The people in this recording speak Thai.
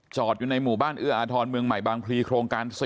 อยู่ในหมู่บ้านเอื้ออาทรเมืองใหม่บางพลีโครงการ๔